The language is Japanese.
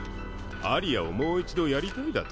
アリアをもういちどやりたいだと？